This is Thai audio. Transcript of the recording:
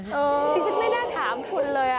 จริงไม่ได้ถามคุณเลย